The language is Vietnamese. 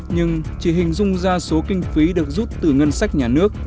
nhưng chỉ hình dung ra số kinh phí được rút từ ngân sách nhà nước